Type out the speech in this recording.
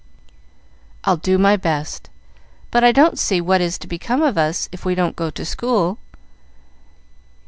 "I'll do my best; but I don't see what is to become of us if we don't go to school.